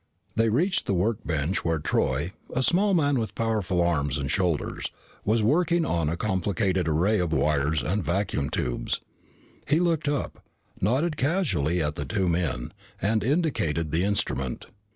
They reached the workbench where Troy, a small man with powerful arms and shoulders, was working on a complicated array of wires and vacuum tubes. He looked up, nodded casually at the two men, and indicated the instrument.